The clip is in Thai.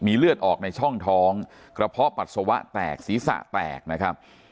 เลือดออกในช่องท้องกระเพาะปัสสาวะแตกศีรษะแตกนะครับ